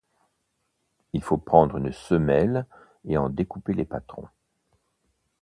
Il faut prendre une semelle et en découper les patrons.